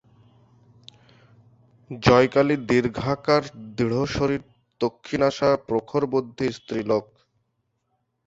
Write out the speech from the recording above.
Joykali দীর্ঘাকার দৃঢ়শরীর তীক্ষ্ণনাসা প্রখরবুদ্ধি স্ত্রীলোক।